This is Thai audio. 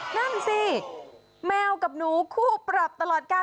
นั่นสิแมวกับหนูคู่ปรับตลอดกาล